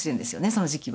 その時期は。